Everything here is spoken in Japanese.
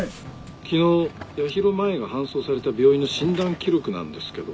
昨日八尋舞が搬送された病院の診断記録なんですけど。